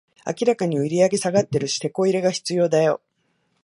明らかに売上下がってるし、テコ入れが必要だよ